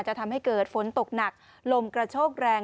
จะทำให้เกิดฝนตกหนักลมกระโชกแรง